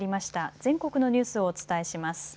全国のニュースをお伝えします。